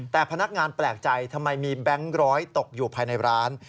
แต่พนักงานแปลกใจทำไมมีแบงค์ร้อยตกอยู่ภายในร้าน